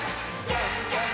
じゃんじゃん！